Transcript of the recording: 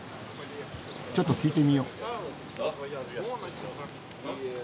ちょっと聞いてみよう。